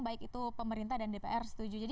baik itu pemerintah dan dpr setuju